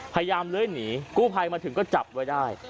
พยายามเลยหนีกู้ภัยมาถึงก็จับไว้ได้